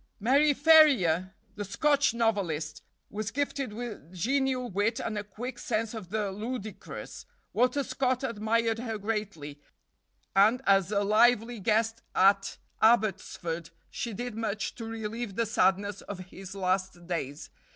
Mary Ferrier, the Scotch novelist, was gifted with genial wit and a quick sense of the ludicrous. Walter Scott admired her greatly, and as a lively guest at Abbotsford she did much to relieve the sadness of his last days.